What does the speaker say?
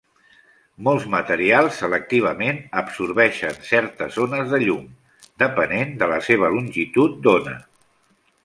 Molts materials selectivament absorbeixen certes ones de llum, depenent de la seva longitud d'ona.